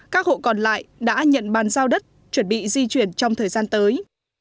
các hộ còn lại đã nhận bàn giao đất chuẩn bị di chuyển trong thời gian tới